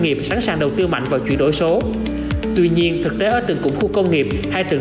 nghiệp sẵn sàng đầu tư mạnh vào chuyển đổi số tuy nhiên thực tế ở từng cụm khu công nghiệp hai tầng